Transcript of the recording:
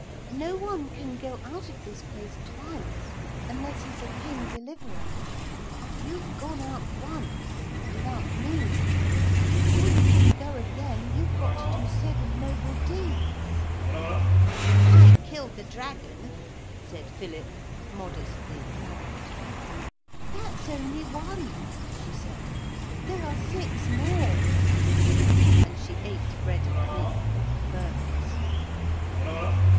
No one can go out of this place twice unless he's a King Deliverer. You've gone out once without me. Before you can go again you've got to do seven noble deeds.' 'I killed the dragon,' said Philip, modestly proud. 'That's only one,' she said; 'there are six more.' And she ate bread and milk with firmness.